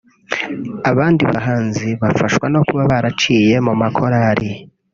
Abandi bahanzi bafashwa no kuba baraciye mu makorari